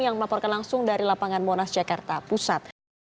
yang melaporkan langsung dari lapangan monas jakarta pusat